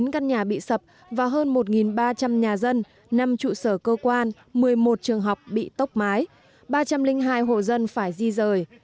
một mươi căn nhà bị sập và hơn một ba trăm linh nhà dân năm trụ sở cơ quan một mươi một trường học bị tốc mái ba trăm linh hai hộ dân phải di rời